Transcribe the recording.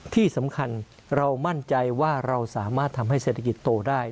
ที่สำคัญเรามั่นใจว่าเราสามารถทำให้เศรษฐกิจโตได้